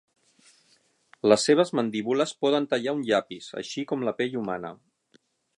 Les seves mandíbules poden tallar un llapis, així com la pell humana.